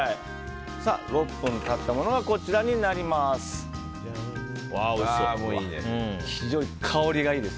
６分経ったものがこちらです。